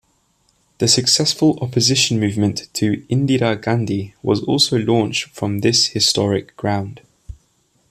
The successful opposition movement to Indira Gandhi was also launched from this historic ground.